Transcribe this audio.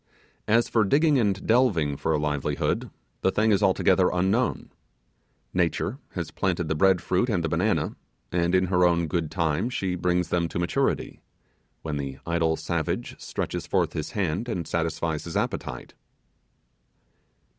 As for digging and delving for a livelihood, the thing is altogether unknown. Nature has planted the bread fruit and the banana, and in her own good time she brings them to maturity, when the idle savage stretches forth his hand, and satisfies his appetite.